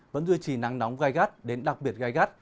vẫn duy trì nắng nóng gai gắt đến đặc biệt gai gắt